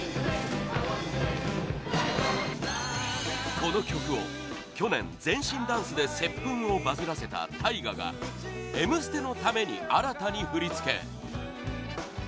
この曲を去年、全身ダンスで「接吻」をバズらせたタイガが「Ｍ ステ」のために新たに振り付け